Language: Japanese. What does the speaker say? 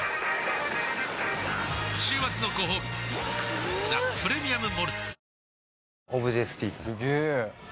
週末のごほうび「ザ・プレミアム・モルツ」